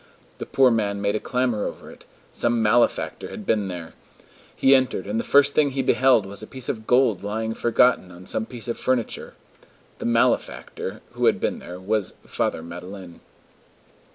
The poor man made a clamor over it: some malefactor had been there! He entered, and the first thing he beheld was a piece of gold lying forgotten on some piece of furniture. The "malefactor" who had been there was Father Madeleine.